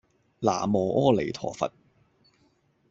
喃嘸阿彌陀佛